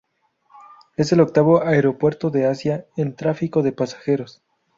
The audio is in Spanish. Es el octavo aeropuerto de Asia en tráfico de pasajeros.